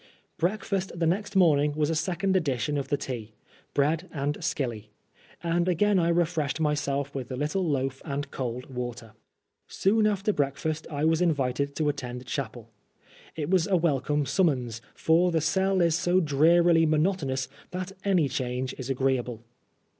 Break fast the next morning was a second edition of the tea — ^bread and BkUly ; and again I refreshed myself with the little loaf and cold water. Soon after breakfast I was invited to attend chapel. It was a welcome summons, for the cell is so drearily monotonous that any change is agreeable.